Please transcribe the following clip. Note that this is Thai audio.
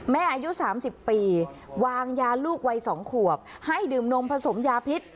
อายุ๓๐ปีวางยาลูกวัย๒ขวบให้ดื่มนมผสมยาพิษ